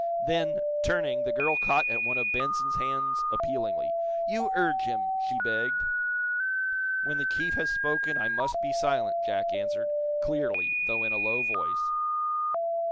Then, turning, the girl caught at one of Benson's hands appealingly. "You urge him!" she begged. "When the chief has spoken I must be silent," Jack answered, clearly, though in a low voice.